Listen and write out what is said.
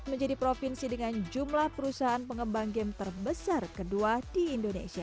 menjadi provinsi dengan jumlah perusahaan pengembang game terbesar kedua di indonesia